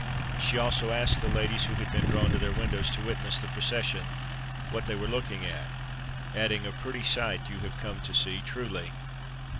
She also asked the ladies, who had been drawn to their windows to witness the procession, what they were looking at? adding, "a pretty sight you have come to see, truly!"